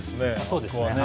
そうですね